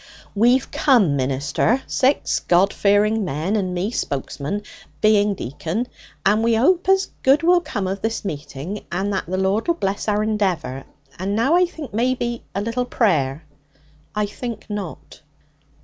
'We've come, minister, six God fearing men, and me spokesman, being deacon; and we 'ope as good will come of this meeting, and that the Lord'll bless our endeavour. And now, I think, maybe a little prayer?' 'I think not.'